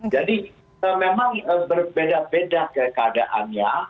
jadi memang berbeda beda keadaannya